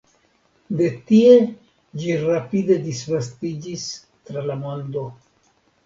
De tie ĝi rapide disvastiĝis tra la mondo.